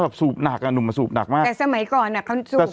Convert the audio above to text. ไม่สูบสูบบุหรี่เลยสูบกะบุหรี่ไม่เห็น